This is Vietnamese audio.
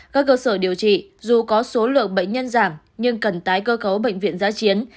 các cơ sở điều trị dù có số lượng bệnh nhân giảm nhưng cần tái cơ cấu bệnh viện giá chiến